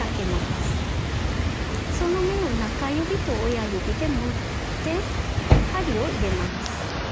その目を中指と親指で持って針を入れます。